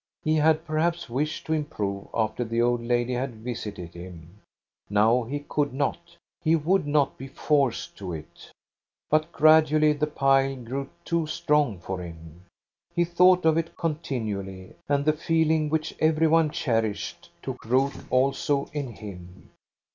He had perhaps wished to improve after the old lady had visited him ; now he could not He would not be forced to it. THE DROUGHT 379 But gradually the pile grew too strong for him. He thought of it continually, and the feeling which every one cherished took root also in him.